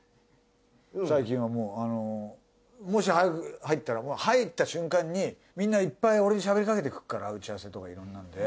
最近はもうもし早く入ったら入った瞬間にみんないっぱい俺にしゃべりかけてくっから打ち合わせとかいろんなので。